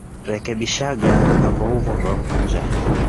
Rekebishaga avo uvo vavunja.